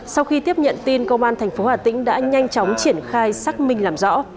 sau khi tiếp nhận tin công an tp hà tĩnh đã nhanh chóng triển khai xác minh làm rõ